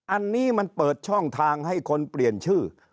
อันนี้มันเปิดช่องทางให้คนเปลี่ยนชื่อ